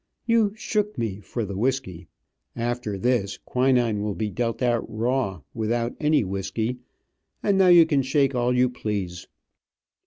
You 'shook me' for the whisky. After this, quinine will be dealt out raw, without any whisky, and now you can shake all you please."